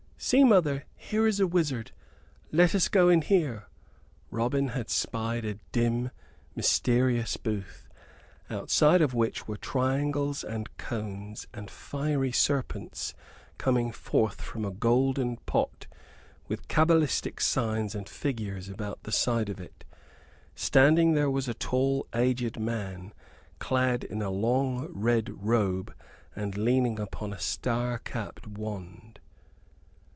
"See, mother, here is a wizard; let us go in here!" Robin had spied a dim, mysterious booth, outside of which were triangles and cones and fiery serpents coming forth from a golden pot, with cabalistic signs and figures about the sides of it. Standing there was a tall, aged man, clad in a long red robe and leaning upon a star capped wand.